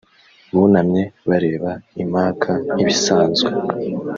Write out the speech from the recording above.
bunamye bareba i Maka nk’ibisanzwe